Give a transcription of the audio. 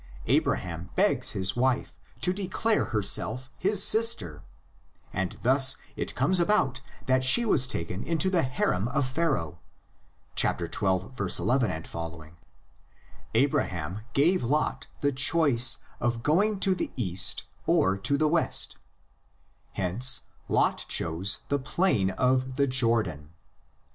Abra ham begs his wife to declare herself his sister; and thus it comes about that she was taken into the harem of Pharaoh (xii. ii ff.). Abraham gave Lot the choice of going to the east or to the west; hence Lot chose the plain of the Jordan.